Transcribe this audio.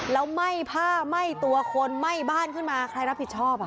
แล้วไหม้ผ้าไหม้ตัวคนไหม้บ้านขึ้นมาใครรับผิดชอบอ่ะ